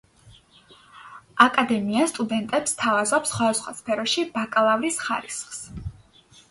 აკადემია სტუდენტებს სთავაზობს სხვადასხვა სფეროში ბაკალავრის ხარისხს.